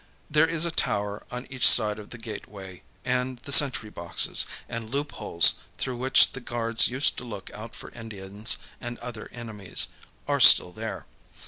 There is a tower on each side of the gateway, and the sentry boxes, and loopholes through which the guards used to look out for Indians and other enemies, are still there.